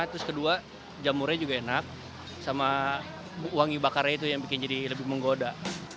terus kedua jamurnya juga enak sama wangi bakarnya itu yang bikin jadi lebih menggoda